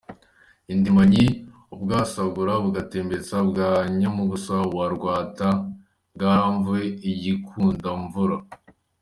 Indimanyi : “Ubwasagura bugatsemba ‘ bwa Nyamugusha wa Rwata, bwaramvuwe i Gikundamvura.